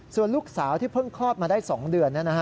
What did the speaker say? ส่วนลูกสาวที่เพิ่งคลอดมาได้๒เดือน